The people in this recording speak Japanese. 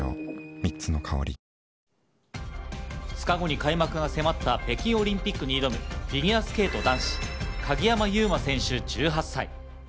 ２日後に開幕が迫った北京オリンピックに挑むフィギュアスケート男子・鍵山優真選手１８歳。